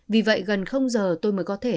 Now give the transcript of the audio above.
vì vậy gần không giờ tôi mới có thể